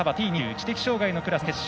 知的障がいのクラスの決勝。